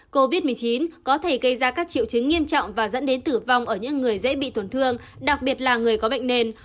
covid một mươi chín có thể gây ra các triệu chứng nghiêm trọng và dẫn đến tử vong ở những người dễ bị tổn thương đặc biệt là người có bệnh nền